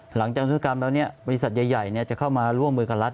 หลังจากธุกรรมแล้วบริษัทใหญ่จะเข้ามาร่วมมือกับรัฐ